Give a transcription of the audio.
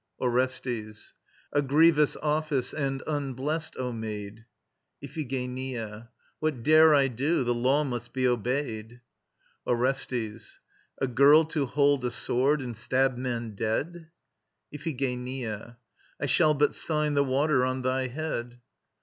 ORESTES. A grievous office and unblest, O maid. IPHIGENIA. What dare I do? The law must be obeyed. ORESTES. A girl to hold a sword and stab men dead! IPHIGENIA. I shall but sign the water on thy head.